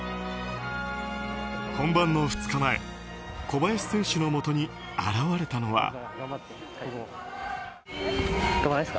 本番の２日前小林選手のもとに現れたのは。